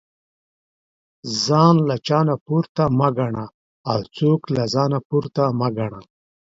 ځان له چانه پورته مه ګنه او څوک له ځانه پورته مه ګنه